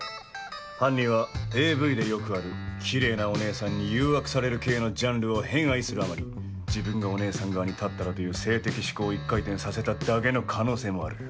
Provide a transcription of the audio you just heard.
犯人はＡＶでよくあるキレイなお姉さんに誘惑される系のジャンルを偏愛するあまり自分がお姉さん側に立ったらという性的嗜好を一回転させただけの可能性もある。